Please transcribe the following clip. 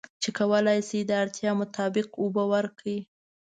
چې کولی شي د اړتیا مطابق اوبه ورکړي.